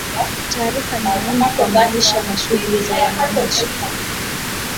taarifa ni muhimu kwa maisha na shughuli za wananchi